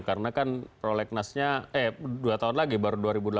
karena kan prolegnasnya eh dua tahun lagi baru dua ribu delapan belas